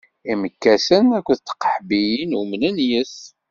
Imekkasen akked tqeḥbiyin umnen yes-s.